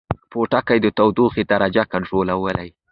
پوټکی د تودوخې درجه کنټرولوي